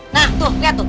nah tuh lihat tuh